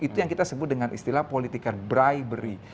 itu yang kita sebut dengan istilah politiker bribery